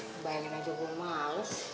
nah bayangin aja gue males